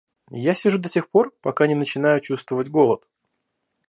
Я сижу до тех пор, пока не начинаю чувствовать голод.